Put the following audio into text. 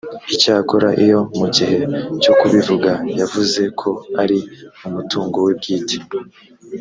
icyakora iyo mu gihe cyo kubivuga yavuze ko ari umutungo we bwite